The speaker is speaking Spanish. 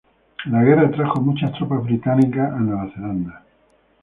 La guerra trajo muchas tropas británicas a Nueva Zelanda.